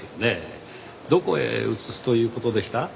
どこへ移すという事でした？